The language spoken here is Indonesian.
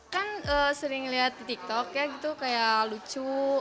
kan sering lihat di tiktok ya gitu kayak lucu